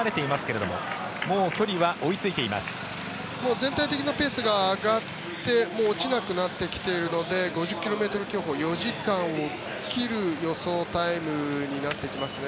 全体的なペースが上がって落ちなくなってきているので５０ｋｍ競歩４時間を切る予想タイムになってきますね。